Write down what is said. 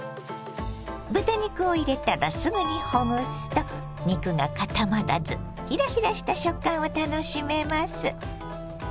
豚肉を入れたらすぐにほぐすと肉が固まらずひらひらした食感を楽しめます。